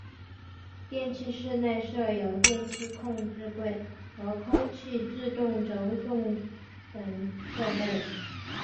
电气室内设有电气控制柜和空气制动轴重等设备。